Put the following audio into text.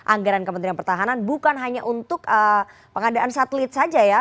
anggaran kementerian pertahanan bukan hanya untuk pengadaan satelit saja ya